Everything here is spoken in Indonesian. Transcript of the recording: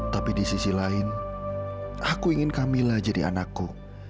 tapi di sisi lain aku ingin camilla jadi anakku